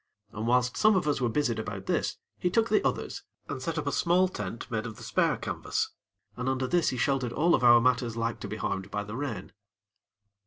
And whilst some of us were busied about this, he took the others and set up a small tent made of the spare canvas, and under this he sheltered all of our matters like to be harmed by the rain.